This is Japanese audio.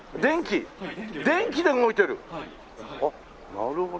なるほど。